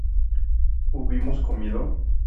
¿hubimos comido?